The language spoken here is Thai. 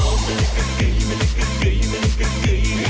โอ๊ย